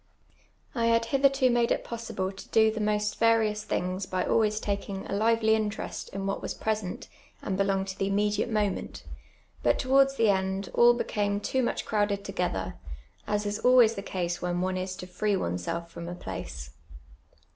I had bithei to made it possible to do the most various thin«::s by always taking a lively interest in what was present and be longed to the immediate moment ; but towards tlie end all Ix'camc too much crowdi'd toj^ether, as is always tlie case when one is to free oneself from a place.